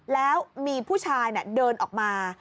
แล้วมีผู้ชายเดินออกมา